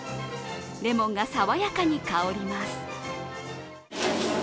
レモンが爽やかに香ります。